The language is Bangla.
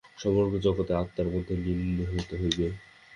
সমগ্র জগৎকে আত্মার মধ্যে লীন হইতে হইবে।